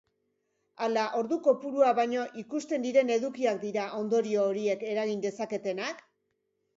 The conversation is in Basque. Ala ordu kopurua baino, ikusten diren edukiak dira ondorio horiek eragin dezaketenak?